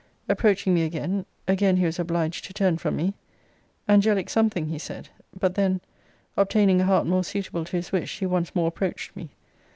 Approaching me again; again he was obliged to turn from me; angelic something, he said: but then, obtaining a heart more suitable to his wish, he once more approached me.